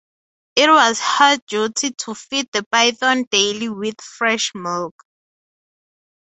It was her duty to feed the python daily with fresh milk.